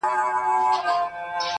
o نور به شاعره زه ته چوپ ووسو.